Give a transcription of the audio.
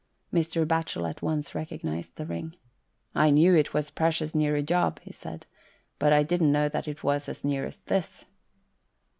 Mr. Batchel at once recognised the ring. "I knew it was precious near a job," he said, " but I didn't know that it was as near as this."